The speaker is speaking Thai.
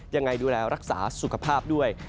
ยังไงดูแลรักษาสุขภาพด้วย